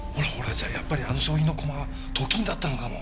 じゃあやっぱりあの将棋の駒はと金だったのかも。